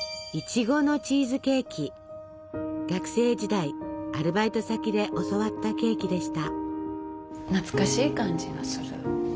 学生時代アルバイト先で教わったケーキでした。